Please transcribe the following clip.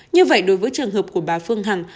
như vậy đối với trường hợp của bà phương hằng